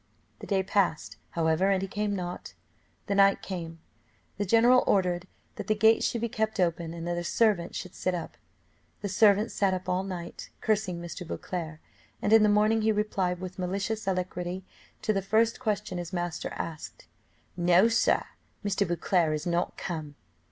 The day passed, however, and he came not the night came. The general ordered that the gate should be kept open, and that a servant should sit up. The servant sat up all night, cursing Mr. Beauclerc. And in the morning he replied with malicious alacrity to the first question his master asked, "No, Sir, Mr. Beauclerc is not come."